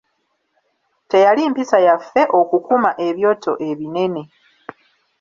Teyali mpisa yaffe okukuma ebyoto ebinene.